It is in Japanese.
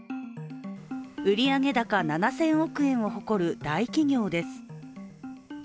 売上高７０００億円を誇る大企業です。